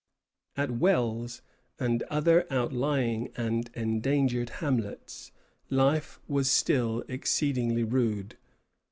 At Wells and other outlying and endangered hamlets life was still exceedingly rude.